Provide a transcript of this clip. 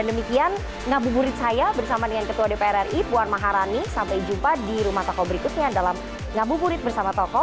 dan demikian ngabu gurit saya bersama dengan ketua dpr ri puan maharani sampai jumpa di rumah toko berikutnya dalam ngabu gurit bersama toko